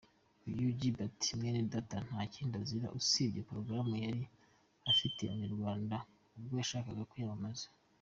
Uyu Gilbert Mwenedata nta kindi azira usibye program yari afitiye abanyarwanda ubwo yashakaga kwiyamamaza.